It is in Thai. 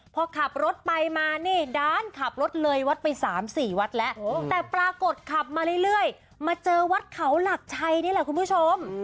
พอขับรถไปมานี่ด้านขับรถเลยวัดไป๓๔วัดแล้วแต่ปรากฏขับมาเรื่อยมาเจอวัดเขาหลักชัยนี่แหละคุณผู้ชม